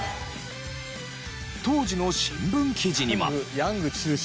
当時の新聞記事には。